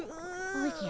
おじゃ。